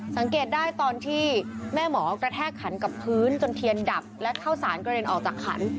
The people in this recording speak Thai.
สังเกตได้ตอนที่แม่หมอกระแทกขันกับพื้นจนเทียนดับและเข้าสารกระเด็นออกจากขัน